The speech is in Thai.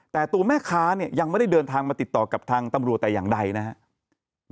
แต่ตัวแม่ค้าเนี่ยยังไม่ได้เดินทางมาติดต่อกับทางตำรวจแต่อย่างใดนะครับ